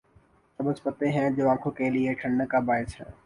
سبز پتے ہیں جو آنکھوں کے لیے ٹھنڈک کا باعث ہیں۔